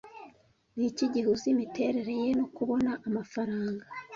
Niki gihuza imiterere ye no kubona amafaranga